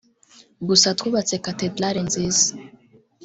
Gusa twubatse Cathédrale nziza